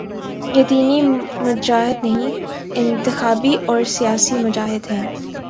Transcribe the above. یہ دینی مجاہد نہیں، انتخابی اور سیاسی مجاہد ہیں۔